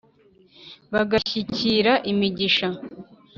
bagashyikira imigisha.